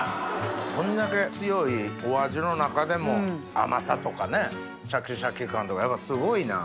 こんだけ強いお味の中でも甘さとかねシャキシャキ感とかやっぱすごいな。